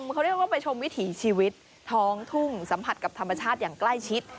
เขาเรียกว่าไปชมวิถีชีวิตท้องทุ่งสัมผัสกับธรรมชาติอย่างใกล้ชิด